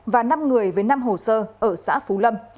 và năm người với năm hồ sơ ở xã phú lâm